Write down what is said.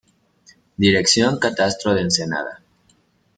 Dirección catastro de ensenada